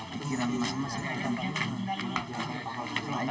dikira masih masih kemana